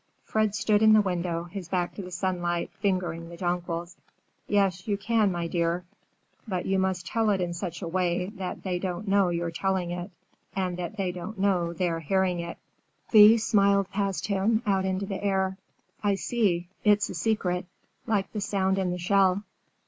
Fred stood in the window, his back to the sunlight, fingering the jonquils. "Yes, you can, my dear. But you must tell it in such a way that they don't know you're telling it, and that they don't know they're hearing it." Thea smiled past him, out into the air. "I see. It's a secret. Like the sound in the shell."